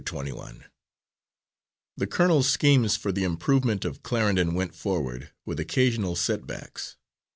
Twenty one The colonel's schemes for the improvement of Clarendon went forward, with occasional setbacks.